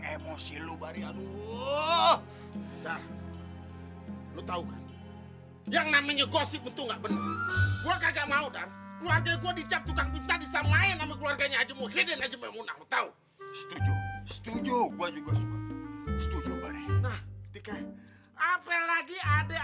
gue mau selesaikan sama abang lo